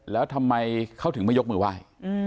แล้วทำไมเขาถึงไม่ยกมือไหว้